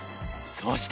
そして。